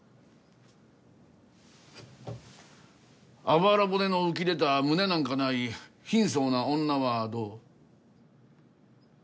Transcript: あばら骨の浮き出た胸なんかない貧相な女はどう？